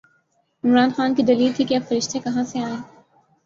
عمران خان کی دلیل تھی کہ اب فرشتے کہاں سے آئیں؟